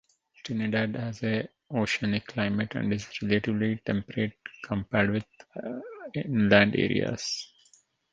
Trinidad has an oceanic climate and is relatively temperate compared with inland areas.